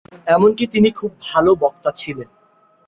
এমনকি তিনি খুব ভাল বক্তা ছিলেন।